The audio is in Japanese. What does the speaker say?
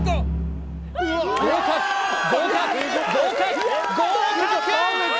合格合格合格合格！